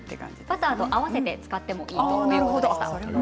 バターと合わせて使ってもいいということでした。